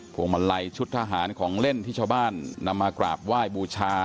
วงมาลัยชุดทหารของเล่นที่ชาวบ้านนำมากราบไหว้บูชา